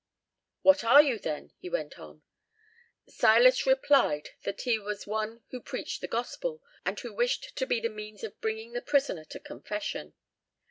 '" "What are you then?" he went on. Silas replied that he was one who preached the gospel, and who wished to be the means of bringing the prisoner to confession.